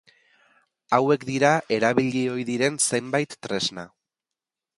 Hauek dira erabili ohi diren zenbait tresna.